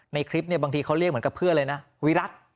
ในคลิปเนี่ยบางทีเขาเรียกเหมือนกับเพื่อนเลยนะวิรัติ